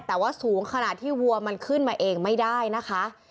แต่ว่าสูงขนาดที่วัวมันขึ้นมาเองไม่ได้นะคะ